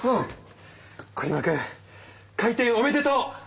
コジマくん開店おめでとう！